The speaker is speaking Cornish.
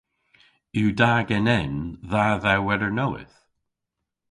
Yw da genen dha dhewweder nowydh?